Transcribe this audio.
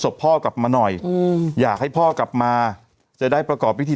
ศพพ่อกลับมาหน่อยอืมอยากให้พ่อกลับมาจะได้ประกอบพิธี